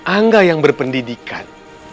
angga yang berpendidikan